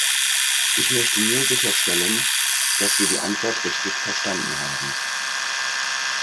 Ich möchte nur sicherstellen, dass wir die Antwort richtig verstanden haben.